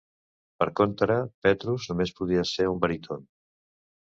Per contra, Petrus només podia ser un baríton.